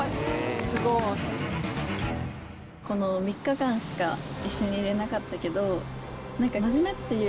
この３日間しか一緒にいれなかったけど。